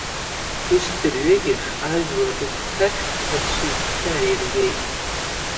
Ус дырҩегьых ажәлар рыгәҭахьтә аӡә ибжьы ааиргеит.